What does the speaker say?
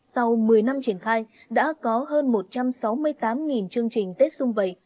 sau một mươi năm triển khai đã có hơn một trăm sáu mươi tám chương trình tết xung vầy